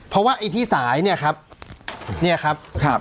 เพราะว่าไอ้ที่สายเนี่ยครับเนี่ยครับ